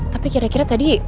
tapi kira kira tadi